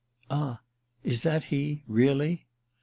"Ah is that he—really?"